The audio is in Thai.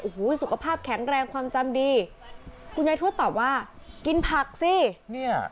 โอ้โหสุขภาพแข็งแรงความจำดีคุณยายทวดตอบว่ากินผักสิเนี่ย